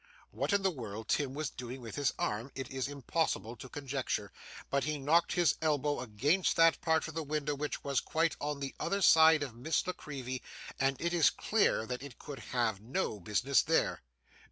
What in the world Tim was doing with his arm, it is impossible to conjecture, but he knocked his elbow against that part of the window which was quite on the other side of Miss La Creevy; and it is clear that it could have no business there.